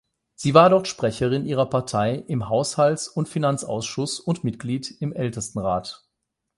Sie war dort Sprecherin ihrer Partei im Haushalts- und Finanzausschuss und Mitglied im Ältestenrat.